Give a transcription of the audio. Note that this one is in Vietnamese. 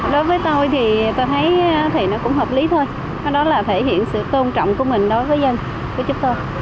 đối với tôi thì tôi thấy thì nó cũng hợp lý thôi đó là thể hiện sự tôn trọng của mình đối với dân với chúng tôi